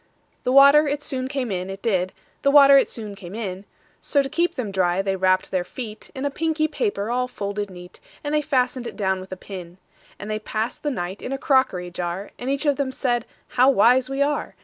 The water it soon came in, it did; The water it soon came in:So, to keep them dry, they wrapp'd their feetIn a pinky paper all folded neat:And they fasten'd it down with a pin. And they pass'd the night in a crockery jar; And each of them said, "How wise we are!